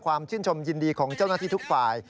ชื่นชมยินดีของเจ้าหน้าที่ทุกฝ่าย